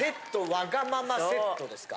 わがままセットですか。